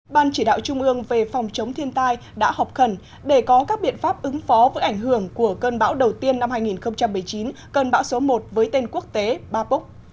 ban chỉ đạo trung ương về phòng chống thiên tai đã họp khẩn để có các biện pháp ứng phó với ảnh hưởng của cơn bão đầu tiên năm hai nghìn một mươi chín cơn bão số một với tên quốc tế ba búc